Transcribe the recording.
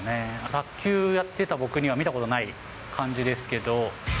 卓球やってた僕には見たことない感じですけど。